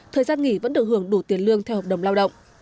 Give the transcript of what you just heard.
thời gian nghỉ vẫn được hưởng đủ tiền lương theo hợp đồng lao động